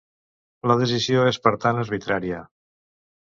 La decisió és per tant arbitrària.